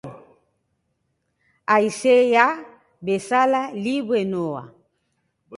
Haizea bezala, libre noa.